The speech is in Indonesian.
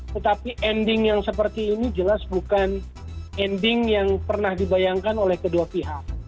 tetapi ending yang seperti ini jelas bukan ending yang pernah dibayangkan oleh kedua pihak